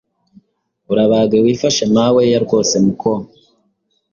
Urabage wifashe maweya rwose muko